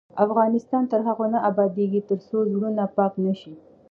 افغانستان تر هغو نه ابادیږي، ترڅو زړونه پاک نشي.